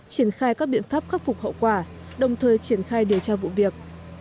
triển khai các biện pháp khắc phục hậu quả đồng thời triển khai điều tra vụ việc